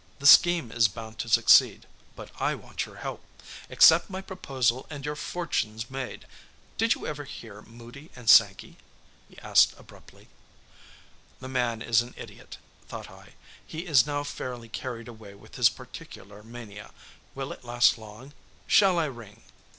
The scheme is bound to succeed, but I want your help. Accept my proposal and your fortune's made. Did you ever hear Moody and Sankey?" he asked abruptly. The man is an idiot, thought I; he is now fairly carried away with his particular mania. Will it last long? Shall I ring?